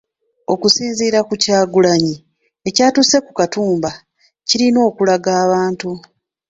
Okusinziira ku Kyagulanyi ekyatuuse ku Katumba kirina okulaga abantu .